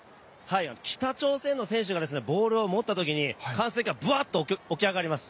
北朝鮮の選手がボールを持ったときに歓声がブワッと湧き起こります。